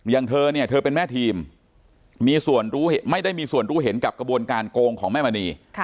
อย่างเธอเนี่ยเธอเป็นแม่ทีมมีส่วนรู้ไม่ได้มีส่วนรู้เห็นกับกระบวนการโกงของแม่มณี